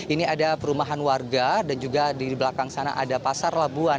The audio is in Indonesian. ini ada perumahan warga dan juga di belakang sana ada pasar labuan